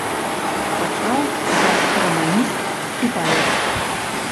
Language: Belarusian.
Пачаў як раманіст і паэт.